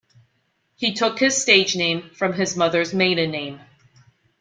He took his stage name from his mother's maiden name.